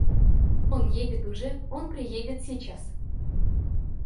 Он едет уже, он приедет сейчас.